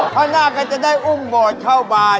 พ้อนาคต์ก็จะได้อุ้มบดเข้าบาท